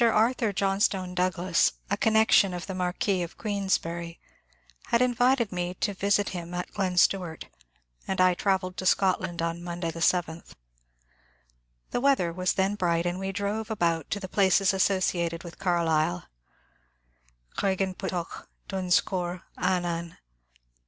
Arthur John stone Douglas, a connection of the Marquis of Queensberry, had invited me to visit him at Glen Stuart, and I travelled to Scotland on Monday the seventh. The weather was then bright, and we drove about to the places associated with Car lyle,— Craigenputtoch, Dunscore, Annan.